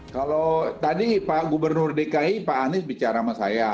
kalau tadi pak gubernur dki pak anies bicara sama saya